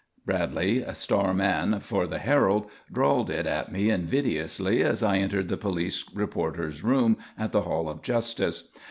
Bradley, star man for the Herald, drawled it at me invidiously as I entered the police reporters' room at the Hall of Justice.